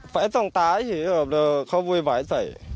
ไฟส่องตายใช่ไหมครับแล้วเขาโว้ยไว้ใส่